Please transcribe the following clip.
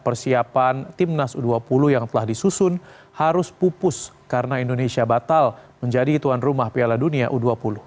pelatih asal korea selatan itu menyayangkan persiapan tim nas u dua puluh yang telah disusun harus pupus karena indonesia batal menjadi tuan rumah piala dunia u dua puluh